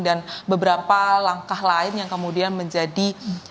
dan beberapa langkah lain yang kemudian menjadi